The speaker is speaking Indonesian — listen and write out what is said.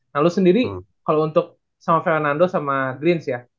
nah lo sendiri kalo untuk sama fernando sama green sih ya